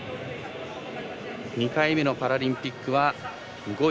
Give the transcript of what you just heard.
２回目のパラリンピックは５位。